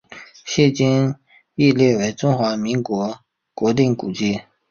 现今亦列为中华民国国定古迹。